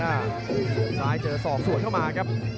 โอ้โหซ้ายเจอศอกสวนเข้ามาครับ